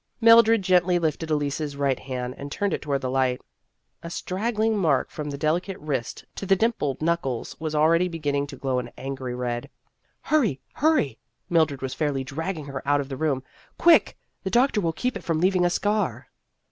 Mildred gently lifted Elise's right hand, and turned it toward the light. A strag gling mark from the delicate wrist to the For the Honor of the Class 163 dimpled knuckles was already beginning to glow an angry red. " Hurry ! Hurry !" Mildred was fairly dragging her out of the room. " Quick ! The doctor will keep it from leaving a scar."